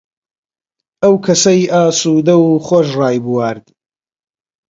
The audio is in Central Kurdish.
ئەو کەسەی ئاسوودەو و خۆش ڕایبوارد،